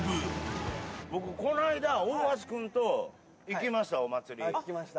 僕、この間、大橋君と行きま行きました。